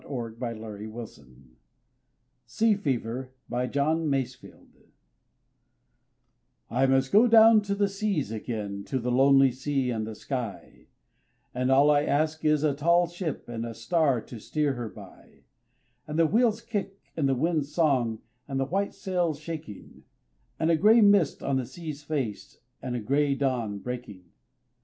Sidney Lanier s3 m A S IH\\ I \ RAINBOW GOLD SEA FEVER I MUST go down to the seas again, to the lonely sea and the sky, And all I ask is a tall ship and a star to steer her by; And the wheel's kick and the wind's song and the white sail's shaking, And a gray mist on the sea's face, and a gray dawn breaking.